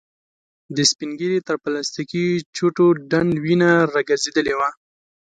د سپين ږيري تر پلاستيکې چوټو ډنډ وينه را ګرځېدلې وه.